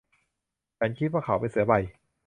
ฉันคิดว่าเขาเป็นเสือใบ